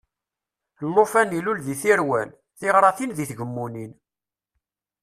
Llufan ilul di Tirwal, tiɣratin di Tgemmunin!